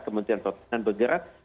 kemudian protesan bergerak